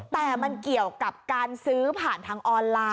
แต่มันเกี่ยวกับการซื้อผ่านทางออนไลน์